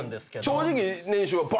正直。